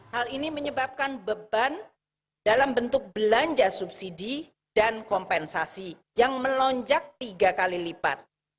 hal ini menyebabkan beban dalam bentuk belanja subsidi dan kompensasi yang melonjak tiga kali lipat